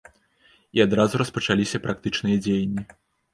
І адразу распачаліся практычныя дзеянні.